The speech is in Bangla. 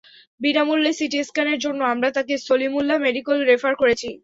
বিনা মূল্যে সিটি স্ক্যানের জন্য আমরা তাকে সলিমুল্লাহ মেডিকেলে রেফার করেছি।